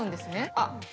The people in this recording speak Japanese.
あっ！